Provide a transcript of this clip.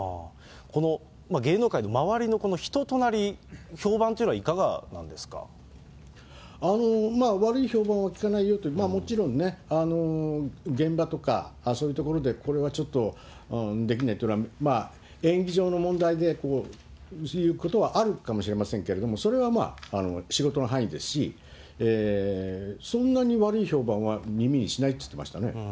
この芸能界の周りの人となり、まあ、悪い評判は聞かないよと、もちろんね、現場とか、そういう所でこれはちょっとできない、まあ、演技上の問題で、そういうことはあるかもしれませんけれども、それはまあ、仕事の範囲ですし、そんなに悪い評判は耳にしないって言ってましたね。